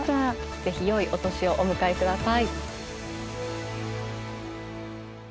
是非よいお年をお迎えください。